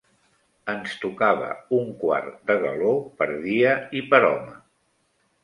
Ens tocava un quart de galó per dia i per home.